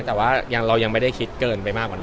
แต่ว่าเรายังไม่ได้คิดเกินไปมากกว่านี้